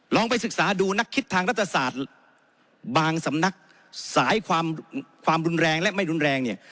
ไปศึกษาดูนักคิดทางรัฐศาสตร์บางสำนักสายความรุนแรงและไม่รุนแรงเนี่ย